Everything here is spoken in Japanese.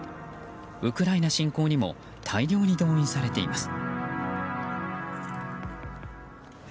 ウクライナ侵攻にも大量に動員されています。